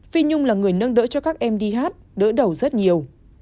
phi nhung là người nâng đỡ cho các em đi hát đỡ đầu rất nhiều